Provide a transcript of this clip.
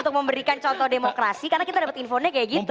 untuk memberikan contoh demokrasi karena kita dapat infonya kayak gitu